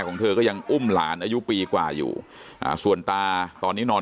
ของเธอก็ยังอุ้มหลานอายุปีกว่าอยู่ส่วนตาตอนนี้นอน